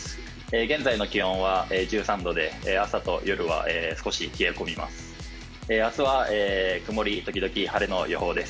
現在の気温は１３度で朝と夜は少し冷え込みます。